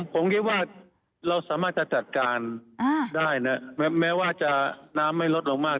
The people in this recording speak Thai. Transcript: ผมคิดว่าเราสามารถจะจัดการได้นะแม้ว่าจะน้ำไม่ลดลงมาก